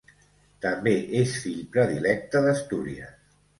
També és fill predilecte d'Astúries.